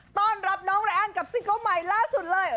ต้อนรับน้องไนกับซิงเกิ้ลใหม่ล่าสุดเลย